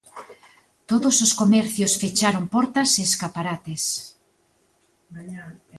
Todos os comercios fecharon portas e escaparates.